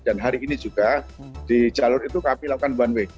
dan hari ini juga di jalur itu kami lakukan one way